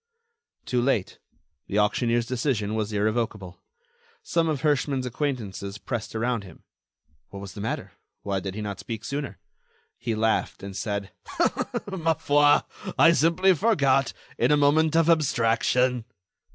Too late; the auctioneer's decision was irrevocable. Some of Herschmann's acquaintances pressed around him. What was the matter? Why did he not speak sooner? He laughed, and said: "Ma foi! I simply forgot—in a moment of abstraction."